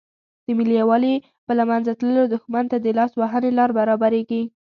د ملي یووالي په له منځه تللو دښمن ته د لاس وهنې لارې برابریږي.